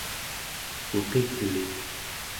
puqigli